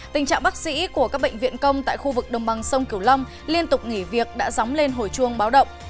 tình trạng bác sĩ của các bệnh viện công tại khu vực đồng bằng sông kiều long liên tục nghỉ việc đã dóng lên hồi chuông báo động